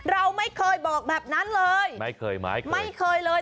เราไม่เคยบอกแบบนั้นเลยไม่เคยไม้เคยไม่เคยเลย